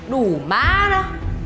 đủ má nó